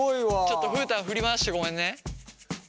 ちょっとフータン振り回してごめんね。